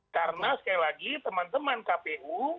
karena sekali lagi teman teman kpu